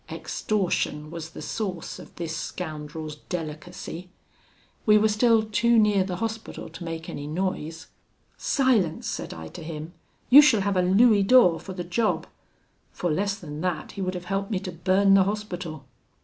"Extortion was the source of this scoundrel's delicacy. We were still too near the Hospital to make any noise. 'Silence!' said I to him, 'you shall have a louis d'or for the job': for less than that he would have helped me to burn the Hospital.